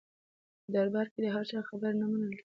په دربار کې د هر چا خبره نه منل کېده.